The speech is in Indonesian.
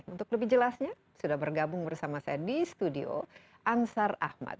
untuk lebih jelasnya sudah bergabung bersama saya di studio ansar ahmad